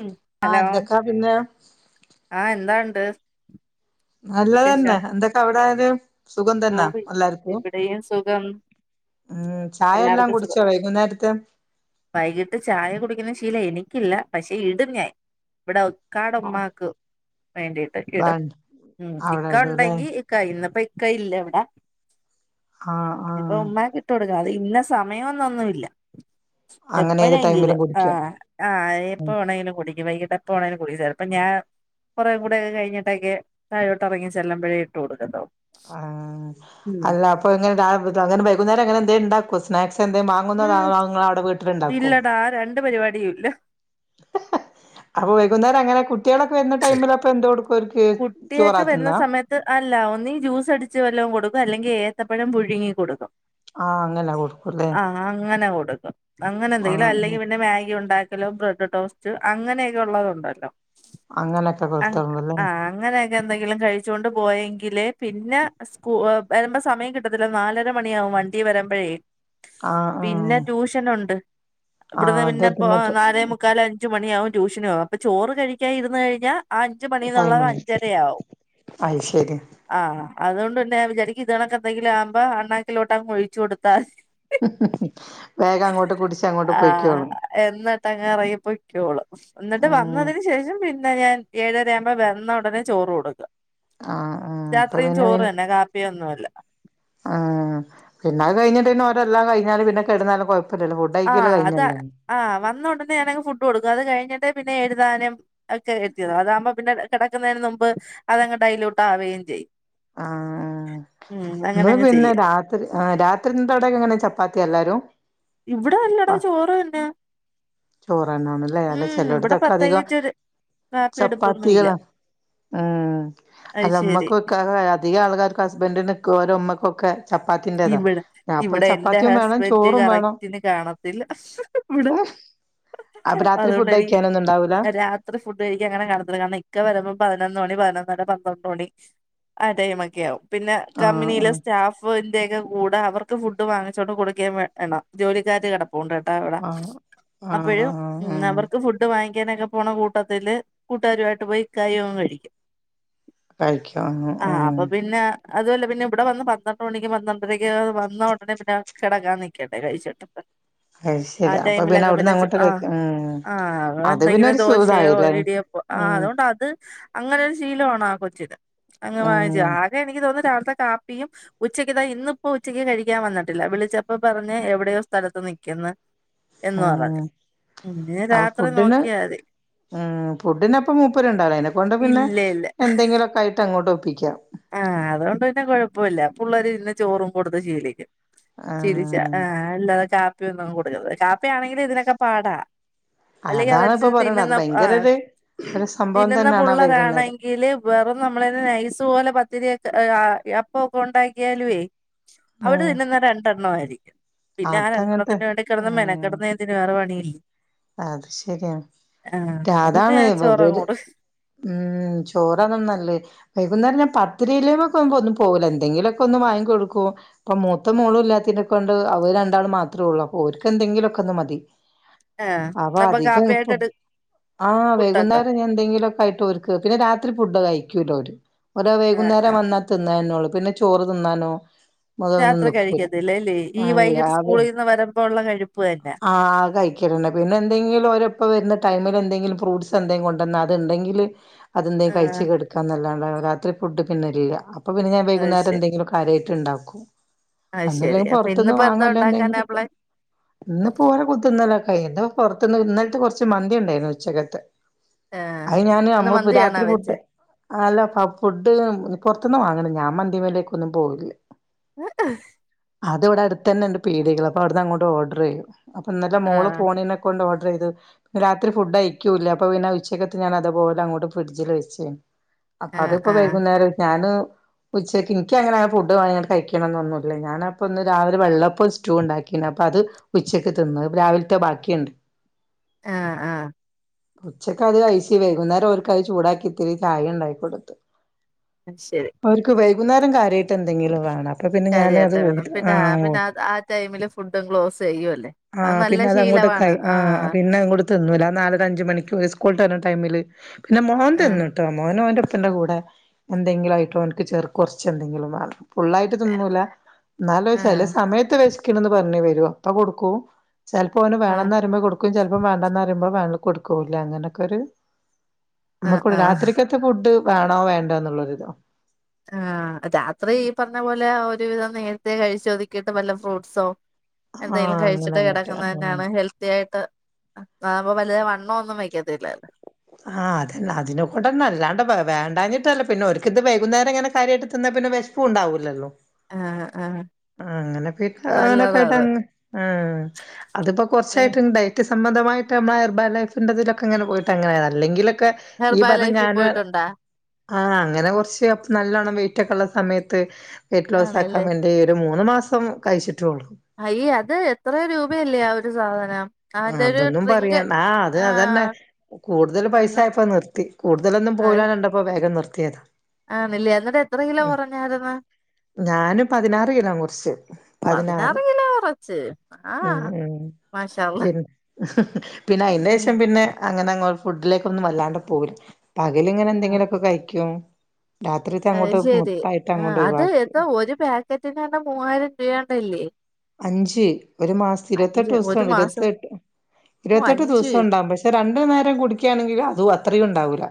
ഉം ആഹ് എന്തൊക്കാ പിന്നെ. ആഹ് എന്താണ്ട്. വിശേഷം നല്ലതന്നെ എന്തൊക്കെ അവിടെ അത്. ഓ ഇവിടെയും സുഖം ഉം ചായ എല്ലാം എല്ലാർക്കും സുഖം കുടിച്ചോ വൈകുന്നേരത്തെ വൈകീട്ട് ചായ കുടിക്കുന്ന ശീല എനിക്ക് ഇല്ല പക്ഷെ ഇടും ഞാൻ ഇവിടെ ഇക്കാട ഉമ്മാക്ക് വേണ്ടിയിട്ട് ഇടും വേണ്ട അവിടെ ഇക്ക ഇടൂല്ലേ ഉണ്ടെങ്കി ഇക്ക ഇന്ന് കയ്യില്ല ഇവിട ആഹ് ആഹ്. കൊടുക്കാം അത് ഇന്ന സമയമൊന്നൊന്നുല്ല. അങ്ങനെ ഏത് എപ്പോഴെങ്കിലും ടൈമിലും കുടിക്കും ആഹ് ആഹ് എപ്പോ വേണെങ്കിലും കുടിക്ക വൈകിട്ട് പ്പോണേ [unintelligible] ചെൽപ്പൊ ഞാ കൊറേ കൂടെക്കെ കഴിഞ്ഞിട്ടെക്കെ താഴോട്ടെർങ്ങി ചെല്ല്മ്പഴേ ഇട്ട് കൊടുക്കത്തൊള്ളു ആ അല്ല അപ്പൊ ഇങ്ങനെ ദാ ദാ അങ്ങനെ വൈകുന്നേരം അങ്ങനെ എന്തേംണ്ടാക്കോ സ്നാക്സ് എന്തേ ഉം മാങ്ങുന്നതാ അതൊങ്ങളവ്ടെ വീട്ടില്ണ്ടാക്കോ ര് പരിപാടിയുല്ല അപ്പൊ വൈകുന്നേരം അങ്ങനെ കു ട്ട്യേളൊക്കെ വരുന്ന ടൈമിലപ്പം എന്ത്‌ കൊട് കുട്ടിയൊക്കെ വര്ന്ന സമയത്ത് അ അല്ല ഒന്നെ ജ്യൂസ് അടിച്ച് വല്ലോം കൊടുക്കും അല്ലെങ്കിൽ ഏത്തപ്പഴം പുഴുങ്ങി കൊട്ക്കും ആഹ് അങ്ങനെ കൊടുക്കുംല്ലേ ആ അങ്ങനെ കൊടുക്കും അങ്ങനെന്തെങ്കിലും ആഹ് ആഹ് അല്ലെങ്കി പിന്നെ മാഗി ഉണ്ടാ വല്ലോം ബ്രെഡ് ടോസ്റ്റ് അങ്ങനെയൊക്കെ ഉള്ളത് ഉണ്ടാക്കാം അങ്ങനെക്കെ കൊട്ത്താ [unintelligible] ആ അങ്ങനെയൊക്കെ എന്തെങ്കിലും കഴിച്ചൊണ്ട് പോയെങ്കിലേ പിന്നെ സ്കൂ വരുമ്പോ സമയം കിട്ടത്തില്ല നാലര മണിയാവും വണ്ടി വരമ്പഴേ ആഹ് ആഹ് പിന്നെ ട്യൂഷനുണ്ട് ഇവിടുന്ന് ആഹ് അത് പിന്നെപ്പോ തിന്നിട്ട് നാലേ മുക്കാൽ അഞ്ച് മണിയാകും ട്യൂഷന് പോവാ ഇപ്പൊ ചോറ് കഴിക്കാൻ ഇരുന്ന് കഴിഞ്ഞാ ആ മണിന്നുള്ളത് ടൈമുണ്ട് അഞ്ചര ആവും അത് ശരി അ അതുകൊണ്ട് ഞാൻ വിചാരിക്കും ഇത് കണെക്കെ എന്തെങ്കിലും ആവുമ്പോ അണ്ണാക്കിലോട്ടങ് ഒഴിച്ച് കൊടുത്താതി വേഗം അങ്ങോട്ട് കുടിച്ച് അങ്ങോട്ട് ആ പൊയ്ക്കോളും എന്നിട്ടങ്ങ് എറങ്ങി പൊയ്ക്കോളും ന്നിട്ട് ഉം വന്നതിന് ശേഷം പിന്നെ ന്നെ ഞാൻ ഏഴ ര ആവുമ്പോ വന്ന ഉടനെ ചോറ് കൊട്ക്കും ആഹ് ആഹ് രാത്രിയും ചോറ് തന്നെ കാപ്പിയൊന്നുവ ല്ല ആ പിന്നെ അത് കഴിഞ്ഞിട്ട് ന്നെ എല്ലാം കഴിഞ്ഞാലും പിന്നെ കെടന്നാലും കൊ ആ അത് ആ വന്നൊടനെയാണെങ്കി ഫുഡ് കൊട്ക്കും അത് കഴിഞ്ഞിട്ട് പി ന്നെ എഴ്താനും ഒക്കെ എത്തിയത് അതാകുമ്പോ പിന്നെ കെടക്കുന്നേന് നുമ്പ് അതങ്ങ് ഡൈലൂട്ട് ആവുകയും ചെയ്യും ആ ഉം ങ്ങൾ അങ്ങനങ്ങ് പിന്നെ ചെയ്യാം രാത്രി ആ രാത്രി ന്തവ്ടെങ്ങനെ ചപ്പാത്ത്യാ എല്ലാരും ഇവിടെ പ അല്ലടാ ചോറ് തന്നെ ചോറ് തന്നെ ആണല്ലേ അല്ല ഉം ഇവിടെ ചെല്ലോട്ത്തൊക്കെ അധികം പ്രത്യേകിച്ച് ഒരു കാപ്പി എടുപ്പൊന്നുമില്ല ചപ്പാത്തികളാ ആ അത് ശരി അല്ലമ്മക്ക് അതികാൾകാർക്കും ഹസ്ബൻഡിന്ക്ക് ഓരെമ്മക്കൊക്കെ ഇവ്ടെ ഇവ്ടെ എന്റെ വേണം ഹസ്ബൻഡ് ചോറും വേണം കറക്റ്റ്ന് കാണത്തില്ല വ്ടെ അപ്പൊ രാത്രി അതുകൊണ്ട് ഫുഡ് ഇനി കഴിക്കാനൊന്നും ഉണ്ടാവൂല രാത്രി ഫുഡ് കഴിക്കാൻ അങ്ങനെ കാണത്തില്ല കാരണം ഇക്ക വരുമ്പോ പതിനൊന്ന് മണി പതിനൊ ന്നര പന്ത്രണ്ട് മണി ആ ടൈം ഒക്കെ ആവും പിന്നെ കമ്പനിയിലെ ആഹ് സ്റ്റാഫ് കൂടെ അവർക്ക് ഫുഡ് വാങ്ങിച്ചോണ്ട് കൊടുക്കേം വേണം. ജോലിക്കാര് കിടപ്പ് പൂണ്ട് കേട്ടാ അവിട ആഹ് ആഹ് അപ്പഴും ആഹ് ആഹ് ആഹ് അവർക്ക് ഫുഡ് വാങ്ങി ഇക്കാനൊക്കെ പോണ കൂട്ടത്തില് കൂട്ടൂകാര്യിട്ട് പോയിക്കായും അങ് കഴിക്കും. കഴിക്ക ഉം അതുംല്ല പിന്ന ഇവിടെ വന്ന് പന്ത്രണ്ട് മണിക്ക് വന്ന ഉടനെ പിന്നെ കിടക്കാൻ നിക്കണ്ടേ കഴിച്ചിട്ട്. അത് ആ ശരി അപ്പൊ ടൈമിലൊക്കെ അവിടുന്ന് പിന്നെ അങ്ങോട്ട് ആ കഴിക്കും ഉം ആ അത് പിന്നെ എന്തെങ്കിലും ഒരു ദോശയോ സുഖായില്ലേ ഇടിയപ്പോ ആ ഉം അതുകൊണ്ട് അത് അങ്ങനെ ഒരു ശീലോണ് ആ കൊ [inaudible] അങ്ങങ് ഉം വാനിച്ചു ആരെ എനിക്ക് തോന്നി കാപ്പിയും ഉച്ചക്കത്ത താ ഇന്നിപ്പോ ഉച്ചക്ക് കഴിക്കാ വന്നിട്ടില്ല. വിളിച്ചപ്പ പറഞ്ഞ് എവിടെയോ സ്ഥലത്ത് നിക്കന്ന്. ഉം അപ്പൊ രാത്രി ഫുഡിന് നോക്കിയാ മതി ഉം ഫുഡിന്പ്പ മൂപ്പരു ഉണ്ടാലോ അതിനെക്കൊണ്ട് പിന്നെ ഇല്ല ഇല്ല എന്തെങ്കിലൊക്കെ ആയിട്ട് അങ്ങോട്ടും [inaudible] ആ അതുകൊണ്ട് പിന്നെ കുഴപ്പൊല്ല പുള്ളര് ഇന്നെ ചോറും കൊടുത്ത് ശീലിക്കും. ചിരിച്ച ആഹ് ആഹ് ന്താത് കാ കൊടുക്കന്നത് കാ ഇതിനൊക്കെ പാട അല്ലെങ്കി അതാണ് ഇപ്പൊ അതനുസരിച്ച് പറയണ അത് തിന്നുന്ന ആ ഭയങ്കര ഒരു ഒരു സംഭവം തിന്നുന്ന തന്നെയാണ് ആ വൈകുന്നേരം പുള്ളരാണെങ്കില് വെറും നമ്മളേന്ന് നൈസ് ലെ പദ്ധതിയൊക്കെ അപ്പൊ പ്പൊ ഉണ്ടാക്കിയാലു വെ അവട് ഉം നിന്നെന്നാ രണ്ടെണ്ണം ആരി [inaudible] പിന്നെ ആ അതങ്ങനത്തെ രണ്ടെണത്തിന് വേണ്ടി കിടന്ന് മെന ഉം കെടന്ന എന്തിന് വേറെ പണിയില്ലേ? [inaudible] അത് ശരിയാണ്. ആഹ് അതുകൊണ്ട് അതാണ് ഞാൻ ചോറങ്ങ് അവര് കൊടുക്കും ഉം ചോറാണ് നല്ലത് വൈകുന്നേരം പത്ത് [inaudible] പോകില്ല എന്തെങ്കിലുമൊക്കെ ഒന്ന് വാങ്ങി കൊടുക്കും. ഇപ്പൊ മൂത്ത മോളും ഇല്ലാത്തിതിനെ കൊണ്ട് അവര് രണ്ടാൾ മാത്രേ ഉള്ളു അപ്പൊ ഓര്ക്കെന്തെങ്കിലുമൊക്കെ ഒന്ന് മതി. ആഹ് അപ്പൊ അധികം കാപ്പിയായിട്ട് ഇപ്പ എടു ആഹ് പുട്ടൊക്കെ വെകുന്നേരം എന്തെങ്കിലുക്കെ ആയിട്ട് പിന്നെ രാത്രി ഫുഡ് കഴിക്കൂല ഓര്. ഓര ആഹ് വൈകുന്നേരം ആഹ് വന്നാ തിന്ന എന്നൊള്ളു. പിന്നെ ചോറ് തിന്നാനു. രാത്രി കഴിക്കത്തില്ലല്ലേ ഈ വൈകിട്ട് അതെ സ്കൂളിന്ന് വരുമ്പോള്ള കഴിപ്പന്നെ. എങ്കിലു ഓരെപ്പ വരുന്ന ടൈമില് എന്തെങ്കിലും ഫ്രൂട്സ് എന്തെ കൊണ്ടന്നാ അത്ണ്ടെങ്കില് അതെന്തെ കഴിച്ച് ആഹ് കെടക്കാന്നല്ലാ ടെ രാത്രി ഫുഡ് പിന്നില്ല. അപ്പ പിന്ന ഞാൻ അത് വൈകുന്നരം ശരി എന്തങ്കിലും കാര്യാട്ട് ഇണ്ടാക്കും. അത് ശരി അന്നുല്ലെങ്കി അപ്പൊ പൊറത്തന്നു ഇന്നിപ്പോ എന്താ വാങ്ങുവല്ലാണ്ട് ഉണ്ടാക്കാനാ ന്തെങ്കിലുവൊക്കെ പ്ലാൻ ഇന്നിപ്പോ ഓരെ കൂട്ത്തിന്നല. കഴിച്ചോ പൊറത്തന്ന് ഇന്നൽത്തെ കൊറച്ച് മന്തിണ്ടായിരുന്നു ഉച്ചക്കത്തെ. ആഹ് അയ് ഞാന് ഇന്ന് അമ്മളിപ്പോ മന്തിയാണോ രാത്രി ഫുഡ്‌ വെച്ചേ ആല്ലപ്പ ഫുഡ് പൊറത്തന്ന് വാങ്ങണം ഞാൻ മന്തിമേലേക്കൊന്നും പോവില്ല. [unintelligible] അത് ഇവിടെ അടുത്തന്നെ ഉണ്ട് പീടികൾ അപ്പൊവിടന്നങ്ങോട്ട് ഓർഡറ് ചെയ്യും. അപ്പന്നലേ മോള് ആഹ് പോണീന ണ്ടോർഡറ് ചെയ്തു രാത്രി ഫുഡയ്ക്കൂല അപ്പ പിന്നെ ഉച്ചക്കത്തെ ഞാൻ അതുപോലങ്ങോട്ട് ഫ്രിഡ്ജില് വെച്ച്. ആഹ് അതപ്പം ആഹ് വൈകുന്നേരം ഞാന് ഉച്ചക്ക് ഇനിക്കങ്ങനെ ഫുഡ് വാങ്ങി കഴിക്കണന്നൊന്നുല്ല ഞാനപ്പന്നേ രാവിലെ വെള്ളപ്പോം സ്റ്റൂ ഉണ്ടാക്കി അപ്പ അത് ഉച്ചക്ക് തിന്ന്‌ രാവിലത്തെ ബാക്കിയിണ്ട്. ആഹ് ആഹ് ഉച്ചക്ക് അത് കൈച്ച് വൈകുന്നേരം ഓർക്കതെ ചൂടാക്കി ഇത്തിരി ചായണ്ടായി കൊടുത്ത്. അത് ശെരി. ന്നേരം കാര്യായിട്ട് എന്തെങ്കിലും വേണം. അപ്പൊ പിന്നെ ഞാൻ അത് കാര്യായിട്ട് വേണം ആ പിന്ന ഓ പിന്ന ആ ടൈമില് ഫുഡും ക്ലോസ് ചെയ്യുവല്ലേ ആ അത് നല്ല പിന്നെ ശീലവാണ്. അങ്ങോട്ടൊക്കായി ആ പിന്നങ്ങുടു തിന്നൂല നാലര അഞ്ച് മണിക്കു സ്കൂൾട്ടരണ ടൈമില് പിന്നെ മോൻ ആഹ് തിന്നൂട്ടോ മോനോന്റെ ത്തിന്റെ കൂടെ എന്തെങ്കിലായിട്ടോ ഓൻക്ക് ചേർ കൊറച്ചെന്തങ്കിലും വാണം. ഫുള്ളായിട്ട് തിന്നൂല എന്നാലു ചേലെ ആഹ് സമയത്ത് വെശക്കണന്ന് പറഞ്ഞു വരും. ത്ര കൊടുക്കു ചെൽപ്പ ആഹ് വേണന്നറിയുമ്പ കൊടുക്കും ചെലപ്പ വേണ്ടന്നറിയുമ്പ [unintelligible] കൊടുക്കൂലാങ്ങനക്കൊരു ആഹ് മ്മക്കവിടെ ആഹ് രാത്രിക്കത്തെ ഫുഡ് വേണോ വേണ്ടയൊ എന്നുള്ളൊരിതോ ആഹ് രാത്രി ഈ പറഞ്ഞപോലെ ഒരുവിധം നേരത്തെ കഴിച്ചൊതുക്കിട്ട് വല്ല ഫ്രൂട്സോ ആ എന്തെങ്കിലും അങ്ങനെ കഴിച്ചിട്ട് അങ്ങോട്ട് കെടക്കുന്ന ആ തന്നെയാണ് ഹെൽത്തി ആയിട്ട് ന്നാമ്പോ വല്യ വണ്ണം ഒന്നും വെക്കത്തില്ല ആഹ് അതന്നെ അതിന് കൊണ്ടന്നെ അല്ലാണ്ട് വേണ്ടഞ്ഞിട്ടല്ല പിന്നെ ഓര്ക്കിത് വൈകുന്നേരം ഇങ്ങനെ കാര്യായിട്ട് തിന്നാ പിന്നെ വേശ്പ്പും ഇണ്ടാവൂല്ലല്ലോ ആഹ് ആഹ് അങ്ങനെ പോയിട്ട്നൊക്കെ നല്ലതാ ആയിട്ട് അത് അത്പ്പോ കൊറച്ചായിട്ട് ഡയറ്റ് സംബന്ധമായിട്ട് അമ്മളെ ഏർബ ലൈഫിന്റെ തിലൊക്കെ അങ്ങനെ പോയിട്ട് അങ്ങനെയായതാ അല്ലെങ്കിലൊ ക്കെ ഈ ഹെർബാ പറഞ്ഞ ലൈഫിൽ ഞാനോ പോയിട്ടുണ്ടാ ആഹ് അങ്ങനെ കൊർച്ച് നല്ലോണം വെയ്റ്റ് ഒള്ള സമയത്ത് വെയ്റ്റ് ലോസ്സ് ആക്കാൻ ആണല്ലേ വേണ്ടി മൂന്നു മാസം കഴിച്ചി ട്ടുള്ളു. അയ്യേ അത് എത്ര രൂപയല്ലേ ആ ഒരു സാധനം അതിന്റെ ഒരു അതൊന്നും പറയാ ഡ്രിങ്ക് ആ അത് അതന്നെ ആഹ് കൂടുതൽ പൈസ അന്ന് ആയപ്പോ നിർത്തി കൂടുതലൊന്നും പോവൂലാന്ന് കണ്ടപ്പം വേഗം നിർത്തി ഏത് ആണില്ലേ എന്നിട്ട് എത്ര കിലോ കുറഞ്ഞാര് ന്ന് കുറച്ച് പതിനാറ് കുറച്ച് ഉം ആഹ് ഉം മാഷാ അള്ളാ പിന്ന പിന്നെ ആഹ് അയിന്റെശം പിന്നെ അങ്ങനെ അങ്ങോ ഫുഡിലേക്കൊന്നും വല്ലാണ്ട് പോവി ല്ല പകലിങ്ങനെ എന്തെങ്കിലൊക്കെ കഴിക്കും രാത്രിത്തെ അയ് അങ്ങോട്ട് ശരി മൊത്തായിട്ട് ആ അങ്ങോട്ട് അത് ഒഴിവാക്കി എത്ത ഒരു പാ ക്കറ്റ് നാണ്ടേ മൂവായിരം രൂപയാണ്ടല്ലേ അഞ്ച് ഒരു മാസത്തി ഇരുവത്തെട്ട് അഞ്ച് ഒരു ദിവസം മാസം ഇരുവത്തെട്ട് ഓ ഇരുവത്തെട്ട് അഞ്ച് ദിവസം ഇണ്ടാവും പക്ഷെ രണ്ടു നേരം കുടിക്കുകയാണെങ്കി അത് അത്രയും ഉണ്ടാവൂല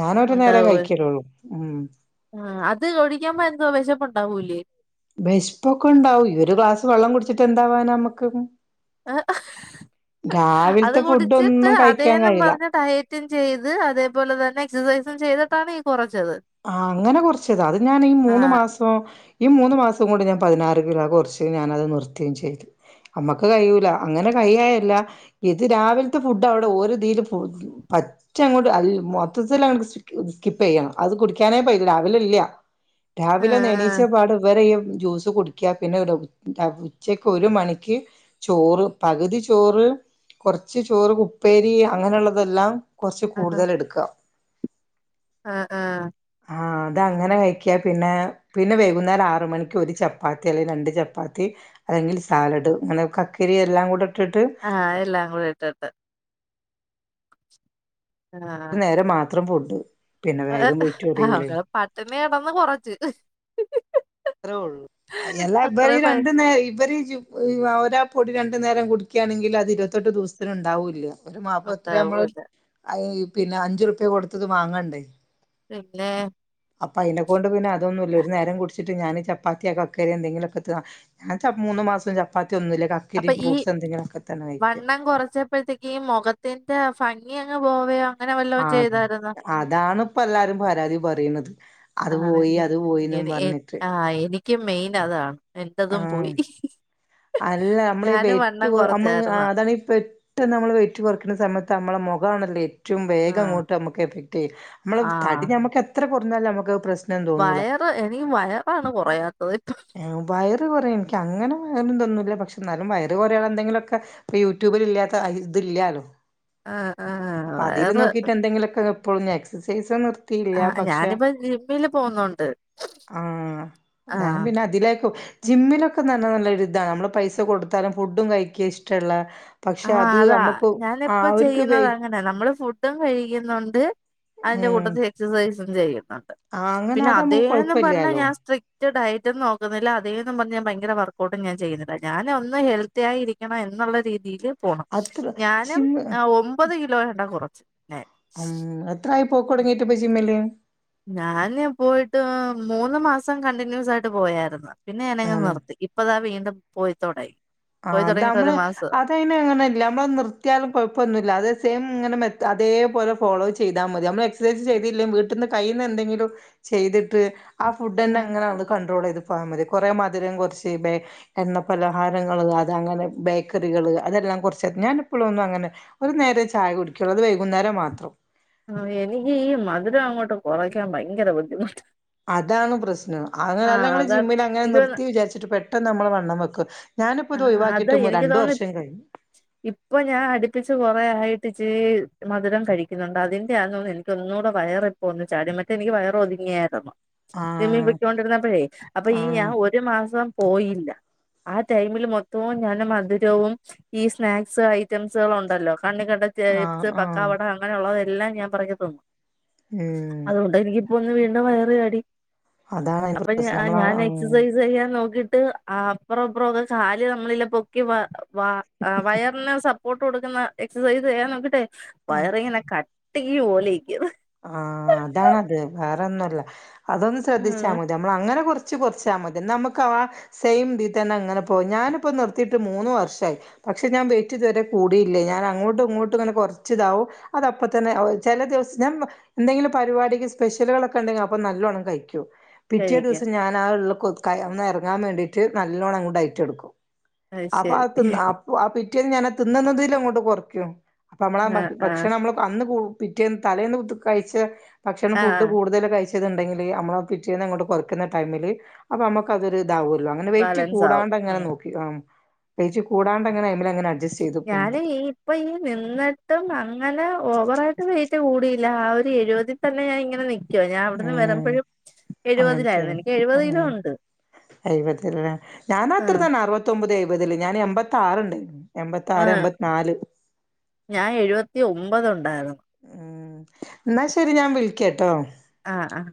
ഞാനൊരു നേരെ ഉണ്ടാവേ കഴിക്കലുള്ളൂ ഉം അത് കുടിക്കുമ്പോ എന്തോ വിശപ്പുണ്ട് ണ്ടാവൂലെ വെശ്പ്പൊക്കെ ഉണ്ടാവെ ഒരു ഗ്ലാസ് വെള്ളം കുടിച്ചിട്ട് എന്താവാന നമ്മക്ക് ഒന്നും അത് രാവിലത്തെ ഫുഡ് കുടിച്ചിട്ട് ഒന്നും കഴിക്കാൻ അതേന്ന കഴിയില്ല പറഞ്ഞ ഡയറ്റും ചെയ്ത് അതേപോലെ തന്നെ എക്സസൈസ് ചെയ്തിട്ടാണ് ഈ കൊറ ആ അങ്ങനെ കൊറച്ചത അത് ഞാൻ ഈ മൂന്ന് ആഹ് മാസോ ഈ മൂന്ന് മാസം കൊണ്ട് ഞാൻ പതിനാറ് കിലോ കൊർച്ച് ഞാന അത് നിർത്തേം ചെയ്തു അമ്മക്ക് കഴിയൂല അങ്ങനെ കയ്യായല്ല ഇത് രാവിലത്തെ ഫുഡ് അവിടെ ഒരുതിൽ പറ്റ അങ്ങോട്ട് അൽ മൊത്തത്തിൽ ആണ്ട് സ് സ്കിപ്പ് യ്യെണം അത് കുടിക്കാനേ പോയില്ല രാവിലെ ഇല്ല ആഹ് രാവിലെ ആഹ് ന്നണീച്ച പാട് ഇവരെയ്യും ജ്യൂസ് കുടിക്കാ പിന്നെ ഉച്ചക്ക് ഒരു മണിക്ക് ചോറ് പകുതി ചോറ് കൊ ർച്ച് ചോറ് ഉപ്പേരി അങ്ങനെള്ളതെല്ലാം കൊർച്ച് കൂടുതൽ എടുക്ക ആ ആ ആ അത് അങ്ങനെ കഴിക്കാ പിന്നെ പിന്നെ വൈകുന്നേരം ആറ് മണിക്ക് ഒരു ചപ്പാത്തി അല്ലെങ്കിൽ രണ്ട് ചപ്പാത്തി അല്ലെങ്കിൽ സാലഡ് അങ്ങനെ കക്കരി എല്ലാം കൂടെ ഇട്ടിട്ട് ആഎല്ലാം കൂടി ഇട്ട്ട്ട് നേരം മാണം അത്ര പൊട്ട് പിന്നെ വേഗം വെറ്റ്റിയൂലേ അമ്മേ അതൊന്ന് കൊറച്ച് ത്രയുള്ളൂ അയ് എല്ലാ ഇവർ അത്രേ പ രണ്ട് നേ ഇവര് ജു ആ ഒരാ പൊടി രണ്ട് നേരം കുടിക്കാണെങ്കിൽ അത് ഇരുപത്തെട്ട് ദിവസത്തിന് ണ്ടാവൂല്ല ഒരു മാപ്പ് എത്ര നമ്മള് ഉണ്ടാവൂല അയ് പിന്നെ അഞ്ചുറുപ്യ കൊടുത്തത് വാങ്ങണ്ടേ [unintelligible] അപ്പൊ അയിനെ കൊണ്ട് പിന്നെ അതൊന്നുല്ല ഒരു നേരം കുടി ച്ചിട്ട് ഞൻ ചപ്പാത്തിയോ കക്കരിയോ എന്തെങ്കിലുക്കെതാ ഞാൻ മൂന്ന് മാസം ചപ്പാത്തി ഒന്നുല്ല കക്കരി അപ്പൊ ഈ ഫ്രൂട്ട്സ് എന്തെങ്കിലൊക്കെ തന്നെ കഴിക്ക വണ്ണം കുറച്ചപ്പഴത്തേക്കീ മുഖത്തിന്റെ ഫംഗി ഞപോവായാ ആ അതാണ് ഇപ്പം എല്ലാരും പരാതി പറയണത് അത് പോയി ആണല്ലേ അത് പോയിന്നും എനി എ പറഞ്ഞിട്ട് ആ എനിക്ക് മെയിൻ അതാണ് എന്റതും ആഹ് പോയി അല്ല നമ്മളീ ഞാനും വൈറ്റ് വണ്ണം നമ്മള് കുറച്ചായിരുന്നു അതാണ് പെട്ടെന്ന് നമ്മള് വൈറ്റ് കുറക്കണ സമയതാണ് നമ്മളെ മുഖാണല്ലേ ഏറ്റവും ആ വേഗം അങ്ങോട്ട് നമുക്ക് എഫക്ട് ചെയ്യും നമ്മള് ആ തടി നമുക്ക് എത്ര കുറച്ചു എന്നാൽ നമുക്ക് പ്രശ് വയറ് ഇനിയും വയറാണ് കുറയാത്തത് ഇപ്പം ക്ക് അങ്ങനൊന്നു അങ്ങനെതൊന്നുല്ല പക്ഷെ എന്നാലും വയറ് കുറയാനെന്തെങ്കിലും ഒക്കെ ഇപ്പ യൂട്യൂബിൽ ഇല്ലാത്ത ഇതില്ലാലോ ആ ആ അപ്പൊ വയറ് അതിലുനോക്കിട്ട് എന്തെങ്കിലൊക്കെ അപ്പോഴന്ന് എക്സസൈസൊന്നും യില്ല ആ പക്ഷേ ഞാനിപ്പോ ജിമ്മില് പോകുന്നുണ്ട് ആ ഹ ആ ഞാൻ പിന്നെ അതിലേക്കും ജിമ്മിലൊക്കെ നല്ല നല്ലൊരുതാ നമ്മള് പൈസ കൊടുത്താലും ഫുഡും കഴിക്ക ഇഷ്ടമുള്ള പക്ഷെ ആഹ് അത് അതാ നമ്മുക്ക് ആ ഞാനിപ്പ അവർക്ക് വെ ചെയ്യുന്നതങ്ങന. നമ്മള് ഫുഡും കഴിക്കുന്നുണ്ട്. അല്ല ഉം കൂട്ടത്തെ എക്സസൈസ് ഇപ്പം ചെയ്യും. അതെ ആഹ് അങ്ങനെ പിന്നെ അത് നമുക്ക് അതേന്ന് പറഞ്ഞാ കുഴപ്പമില്ലാലോ ഞാൻ സ്ട്രി മറ്റ ഡയറ്റ്ന്നും നോക്കുന്നില്ല അതേന്നും പറഞ്ഞ ഞാൻ ഭയങ്കര വർക്ക ട്ടും ഞാൻ ചെയ്യുന്നില്ല ഞാന ഒന്ന് ഹെൽത്തി ആയിരിക്കണം എന്നുള്ള രീ രീതിയില് പോണം അത്ര ഞാനും ഒമ്പത് കിലോ എണ്ണ്ട കുറക്ക [inaudible] പോക്കടുങ്ങിട്ട പയി ചിമ്മലെ ഞാന് പോയിട്ട്,. മൂന്ന് മാസം കണ്ടിന്യൂസ് ആയിട്ട് പോയരുന്നു പിന്നെ ഞാനങ്ങെ മൂന്നും നിർത്തി ഇപ്പതാ വീണ്ടും പോയി [inaudible] ആ പോയി അത് തുടങ്ങിയിട്ട് നമ്മള് ഒരു മാസവാ അതെ അയ്‌ന് അങ്ങനെല്ല, നമ്മള് നിർത്തിയാലും കുഴപ്പൊന്നുല്ല, അതെ സെയിം ഇങ്ങനെ മെ അതേപോലെ, ഫോളോ ചെയ്താ മതി നമ്മളെക്സ് സേസ് ചെയ്‌തില്ലേം വീ ട്ട്ന്ന് കയ്യ്ന്ന എന്തെങ്കിലും, ചെയ്തിട്ട് ആ ഫുഡ് ആ ന്നെങ്ങനെആണ്ട് കണ്ടട്രോൾ ചെയ്ത് പൊ പോയാ മതി കുറെ മധുരം കുറച്ച് ബേ എണ്ണ പലഹാര ങ്ങള് അത് അങ്ങനെ ബേക്കറികള് അതെല്ലാം കുറച്ചത്, ഞാനിപ്പൊളൊന്നും അങ്ങനെ ഒരു നേരേ ചായ കുടിക്കുള്ളൂ അത് വൈകുന്നേരം മാത്രം. ആ എനിക്ക് ഈ മധുരം അങ്ങോട്ട് കുറക്കാൻ ഭയങ്കര ബുദ്ധിമുട്ട് അതാണ് പ്രശ്നം ആഹ് അങ്ങനെല്ലങ്ങള്ൾ അതാണ് ജിമ്മിൽ അങ്ങനെ എനിക്ക് തോന്ന് നിർത്തി വിചാരിച്ചിട്ട് പെട്ട് ട്ടൊന്നമ്മള് വണ്ണം വെക്കും ഞാനിപ്പോ ആ ഇത് അത ഒഴിവാക്കിയിട്ട് എനിക്ക് രണ്ടു തോന്നുന്നു വർഷം കഴിഞ്ഞു ഇപ്പൊ ഞാൻ അടുപ്പിച്ച് കൊറെ ആയി അടുപ്പിച്ചീ മധുരം കഴിക്കുന്നുണ്ട്അതിന്റെ ആന്നു ന്നു എനിക്ക് ഒന്നൂടെ വയർ ഇപ്പൊ ഒന്ന് ചാടി മറ്റേ എനിക്ക് വയർ ഒതുങ്ങിയാരുന്നു. ജമ്മീപ്പൊ ആഹ് ക്കൊണ്ടിരുന്നപ്പോഴേ അപ്പൊ ഈ ആ ആഹ് ഒരു മാസം പോയില്ല അ ടൈമിൽ മൊത്തവും ഞാൻ മധുരവും ഈ സ്നാക്സ് ഐറ്റംസുകളും ഉണ്ടല്ലോ കണ്ണി കണ്ട ആഹ് ചേപ്സ്, ആഹ് പക്കാവട, അങ്ങനെയുള്ളതല്ലാ എല്ലാം ഞാൻ പെറുക്കി തിന്നും ഉം അതുകൊണ്ട് എനിക്ക് ഒന്ന് വീണ്ടും വയറ് ചാടി അതാണ് അതിന്റെ അപ്പൊ ഞാ പ്രശ്നം നമ്മള ഞാൻ ആഹ് എക്സസൈസ് ചെയ്യാൻ നോക്കി ട്ട് ആ പ്പറം പുറൊന്നു ചാലി നമ്മളില്ലോ പൊക്കി മാ വ ആ വയർനെ സം പ്പോട്ട് കൊടുക്കുന്ന എക്സസൈസ്ചെയ്യാൻ നമുക്ക് ടെ വയറിങ്ങനെ ക ട്ടി പോലെയിരിക്ക്ണ്. ആഅതാണത് വേറൊന്നുല്ല, അതൊന്ന് ശ്രദ്ധിച്ചാ ഉം മതി അമ്മൾ അങ്ങനെ കുറച്ച് റച്ച് കുറച്ചാ മതി നമുക്ക് ആ സെയിംതീ തന്നെ അങ്ങനെ പോകും ഞാനിപ്പോ നിർത്തിട്ട് മൂന്ന് വർഷയി പക്ഷെ ഞാൻ വെയ്റ്റ്തുവരെ കൂടിയില്ലേനിം ഞാൻ അങ്ങോട്ടും ഇങ്ങോട്ടും ഇങ്ങനെ കുറച്ചതകും അത അപ്പ തന്നെ ചില ദിവസം ഞാൻ മ എന്തെങ്കിലും പരിപാടിക്ക് പെഷ്യലുകളൊക്കെ ഉണ്ടെങ്കിൽ അപ്പൊ നല്ലോണ്ണം കഴിക്കൂ പിറ്റേ കഴിക്കാം ദിവസം ഞാൻ ആ ഉള്ള കുതുകായ ഒന്നെറങ്ങാൻ വേണ്ടീട്ട് നല്ലോണ്ണങ്ങ് ടയറ്റെടുക്കും അത് ശരി അപ്പഅത്തി അപ്പ അപ്പി റ്റെ ഞാനൻ തിന്നുന്നതില ങ്ങോട്ട് കുറക്കും അമ്മളെ ഭ ആഹ് ആഹ് ഭക്ഷണം മ്മള് അന്ന് കൂ പിറ്റേന്ന് തലേന്ന് കഴിച്ച് ഭക്ഷണം ഫുഡ് ആഹ് കൂടുതൽ കഴിച് ഇത് ണ്ടെങ്കില് നമ്മ പിറ്റേന്നഅങ്ങോട്ട്‌ കുറക്കുന്ന ടൈമില് അപ്പോ അമ്മക്കതൊര് ഇതാവല്ലോ അങ്ങനെ വെയിറ്റ് ബാലൻസ് ആവും കൂടാണ്ട ങ്ങനെ നോക്ക അ പോകും ഞാന് ഈ ഇപ്പ ഈ നിന്നിട്ടും അങ്ങനെ ഓവറായിട്ട് വെയിറ്റ് കൂടി ല്ല ആഹ് ഒരു എഴുപതിൽ തന്നെ ഞാ ഇങ്ങനെ നിക്ക ഉം അങ്ങൻത്തെ എഴുപതിലായിരുന്നു എനിക്ക് എഴുപത് കിലോ ഉണ്ട് എഴുപത് ലേ ഞാൻ അത്ര ആഹ് തന്നെ അറുപത്തൊമ്പത് പതില് ഞാൻ എൺമ്പത്താറ് ണ്ടായ്നു. എൺമ്പത്താറ് ആഹ് എൺമ്പത്തി നാല് ത്തി ഒൻമ്പത് ഉണ്ടായിരുന്നു. ആഹ് എന്നാ ശെരി ഞാൻ വിളിക്കട്ടോ. ആഹ് ആഹ്